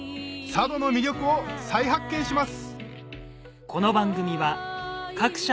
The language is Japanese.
佐渡の魅力を再発見します